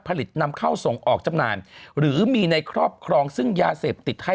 นำเข้าส่งออกจำหน่ายหรือมีในครอบครองซึ่งยาเสพติดให้